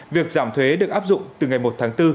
việc giảm thuế được áp dụng từ ngày một tháng bốn